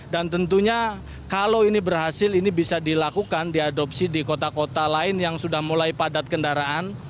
dan tentunya kalau ini berhasil ini bisa dilakukan diadopsi di kota kota lain yang sudah mulai padat kendaraan